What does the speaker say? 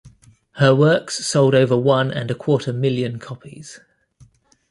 Her works sold over one and a quarter million copies.